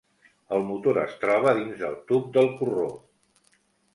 El motor es troba dins del tub del corró.